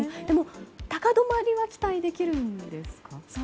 でも、高止まりは期待できるんですか？